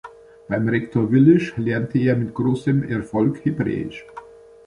Beim Rector Wilisch lernte er mit großem Erfolg Hebräisch.